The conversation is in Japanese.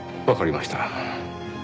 わかりました。